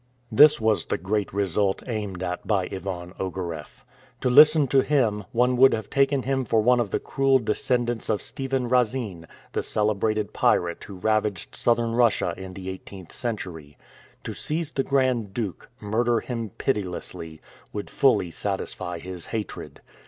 This was the great result aimed at by Ivan Ogareff. To listen to him, one would have taken him for one of the cruel descendants of Stephan Razine, the celebrated pirate who ravaged Southern Russia in the eighteenth century. To seize the Grand Duke, murder him pitilessly, would fully satisfy his hatred.